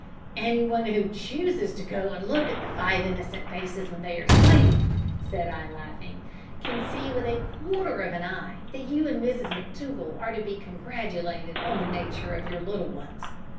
"Any one who chooses to go and look at the five innocent faces when they are asleep," said I, laughing, "can see with a quarter of an eye that you and Mrs McTougall are to be congratulated on the nature of your little ones."